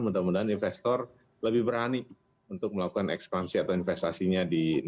mudah mudahan investor lebih berani untuk melakukan ekspansi atau investasinya